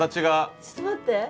えちょっと待って。